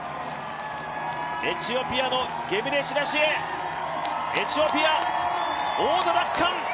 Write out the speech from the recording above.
エチオピアのゲブレシラシエ、エチオピア王座奪還！